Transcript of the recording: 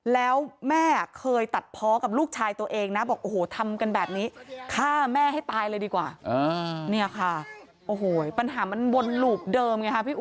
แล้วแม่เคยตัดเพาะกับลูกชายตัวเองนะบอกโอ้โหทำกันแบบนี้